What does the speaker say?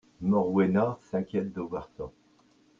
Morwenna s’inquiète de voir ça.